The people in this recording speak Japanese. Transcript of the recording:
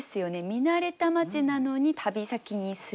「見慣れた街」なのに「旅先にする」。